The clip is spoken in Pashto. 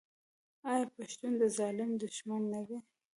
آیا پښتون د ظالم دښمن نه دی؟